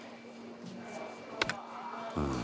うん。